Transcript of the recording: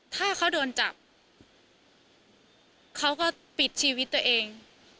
ถ้าเขาโดนจับเขาก็ปิดชีวิตตัวเอง